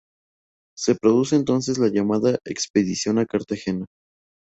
Se produce entonces la llamada Expedición a Cartagena.